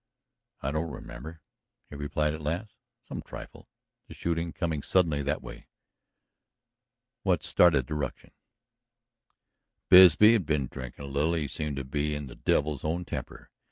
"I don't remember," he replied at last. "Some trifle. The shooting, coming suddenly that way ... "What started the ruction?" "Bisbee had been drinking a little. He seemed to be in the devil's own temper.